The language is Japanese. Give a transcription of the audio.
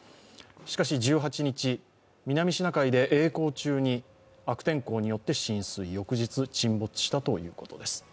しかし１８日、南シナ海でえい航中に悪天候によって浸水、翌日、沈没したということです。